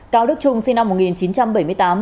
cao đức trung sinh năm một nghìn chín trăm bảy mươi tám